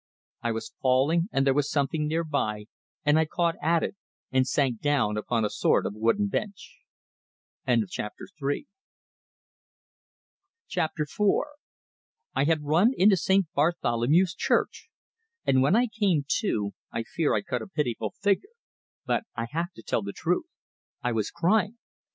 I was falling, and there was something nearby, and I caught at it, and sank down upon a sort of wooden bench. IV I had run into St. Bartholomew's Church; and when I came to I fear I cut a pitiful figure, but I have to tell the truth I was crying.